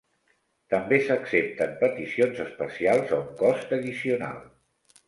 També s'accepten peticions especials a un cost addicional.